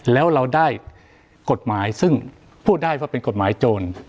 แล้วเราได้กฎหมายซึ่งพูดได้ว่าเป็นกฎหมายโจร